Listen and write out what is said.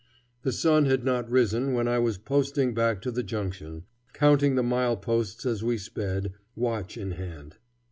The sun had not risen when I was posting back to the junction, counting the mile posts as we sped, watch in hand.